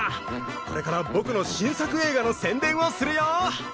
これから僕の新作映画の宣伝をするよ。